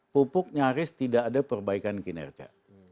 pupuk nyaris tidak ada perbaikan kinerja